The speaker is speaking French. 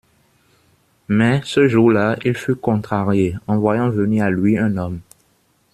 Mais, ce jour-là, il fut contrarié, en voyant venir à lui un homme.